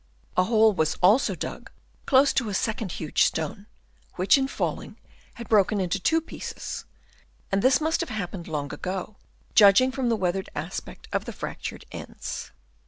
A hole was also dug close to a second huge stone, which in falling had broken into two pieces; and this must have happened long ago, judging from the weathered aspect of the fractured ends.